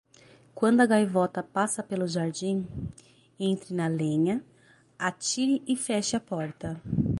Quando a gaivota passa pelo jardim, entre na lenha, atire e feche a porta.